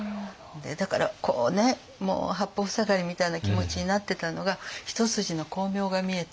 だからこうねもう八方塞がりみたいな気持ちになってたのが一筋の光明が見えたっていう。